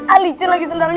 alicir lagi sendalnya